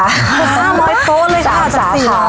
๓สาขา